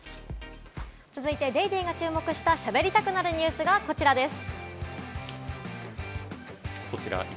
続いて『ＤａｙＤａｙ．』が注目した「しゃべりたくなるニュス」がこちらです。